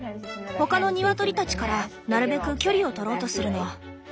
他のニワトリたちからなるべく距離を取ろうとするの。